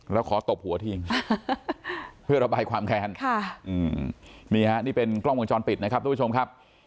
แล้วขอตบหัวทิ้งเพื่อระบายความแค้นนี่ฮะนี่เป็นกล้องวงจรปิดนะครับทุกผู้ชมครับ